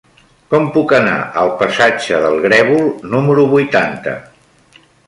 Com puc anar al passatge del Grèvol número vuitanta?